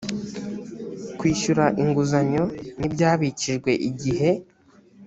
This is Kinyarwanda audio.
kwishyura inguzanyo n ibyabikijwe igihe